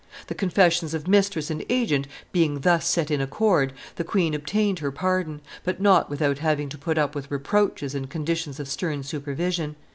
The confessions of mistress and agent being thus set in accord, the queen obtained her pardon, but not without having to put up with reproaches and conditions of stern supervision.